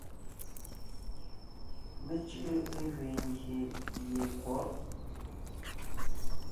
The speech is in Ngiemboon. Mé cʉ́ʼʉ légẅiin ngyè gie è kwɔ̌ʼ.